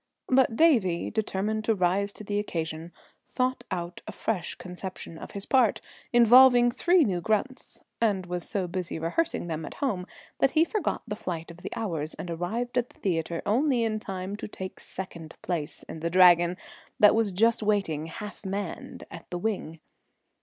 But Davie, determined to rise to the occasion, thought out a fresh conception of his part, involving three new grunts, and was so busy rehearsing them at home that he forgot the flight of the hours and arrived at the theatre only in time to take second place in the Dragon that was just waiting, half manned, at the wing.